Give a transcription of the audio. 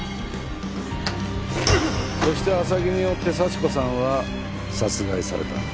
そして浅木によって幸子さんは殺害された。